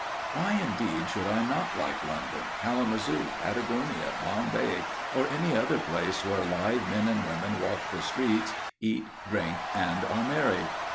Why, indeed, should I not like London, Kalamazoo, Patagonia, Bombay, or any other place where live men and women walk the streets, eat, drink, and are merry?